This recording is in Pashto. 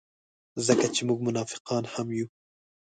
ځکه چې موږ منافقان هم یو.